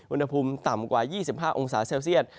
อุณหภูมิต่ำกว่า๒๕องศาเซลเซียต